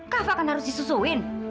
kava kan harus disusuin